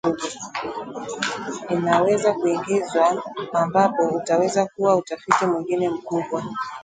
inaweza kuingizwa ambapo utaweza kuwa utafiti mwingine mkubwa